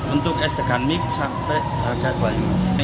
untuk es degan mix sampai harga dua puluh lima